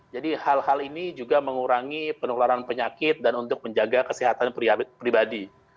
jadi hal hal ini juga mengurangi penularan penyakit dan untuk menjaga kesehatan pribadi